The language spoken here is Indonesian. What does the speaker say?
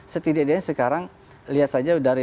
setidaknya sekarang lihat saja dari